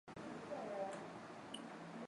Ku misisi kuna tokaka or ya mingi